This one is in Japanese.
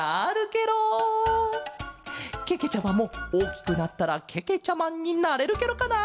ケケちゃまもおおきくなったらけけちゃマンになれるケロかな？